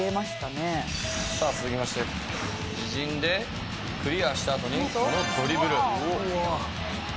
さあ続きまして自陣でクリアしたあとにこのドリブル。